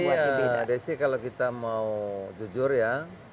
jadi desi kalau kita mau jujur ya